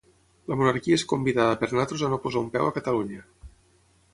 "La monarquia és convidada per nosaltres a no posar un peu a Catalunya"